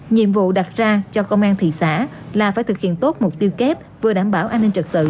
nhiệm vụ đặt ra cho công an thị xã là phải thực hiện tốt mục tiêu kép vừa đảm bảo an ninh trật tự